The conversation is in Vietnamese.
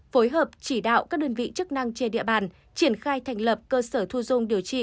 phối hợp chỉ đạo các đơn vị chức năng trên địa bàn triển khai thành lập cơ sở thu dung điều trị